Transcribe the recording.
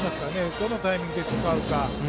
どのタイミングで使うか。